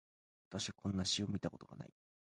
私はこんな詩を見たことがない